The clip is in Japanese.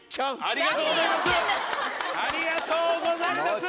ありがとうございます！